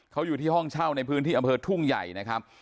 เขาอยู่ที่ห้องเช่าในพื้นที่อำเภอทุ่งใหญ่นะครับ